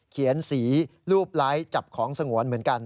เขียนสีรูปไลค์จับของสงวนเหมือนกัน